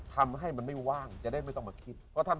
ทำให้มันไม่ว่างจะได้ไม่ต้องมาคิด